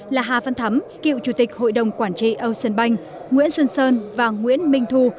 là hà văn thắm cựu chủ tịch hội đồng quản trị âu sơn banh nguyễn xuân sơn và nguyễn minh thu